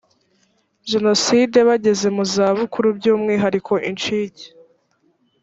jenoside bageze mu zabukuru by umwihariko incike